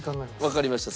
わかりました。